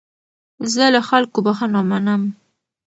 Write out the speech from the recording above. زه له خلکو بخښنه منم.